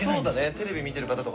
テレビ見てる方とかね